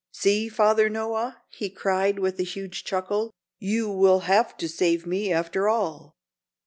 "See, Father Noah," he cried, with a huge chuckle, "you will have to save me after all.